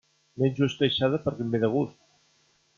Menjo esqueixada perquè em ve de gust.